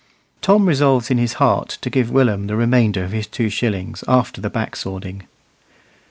Tom resolves in his heart to give Willum the remainder of his two shillings after the back swording.